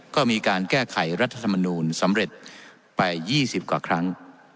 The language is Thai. ก็มีการแก้ไขรัฐธรรมนูลสำเร็จไป๒๐กว่าครั้ง